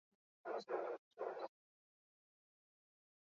Gaur gaurkoz, atzerriko zenbait herrialdetan egin daiteke.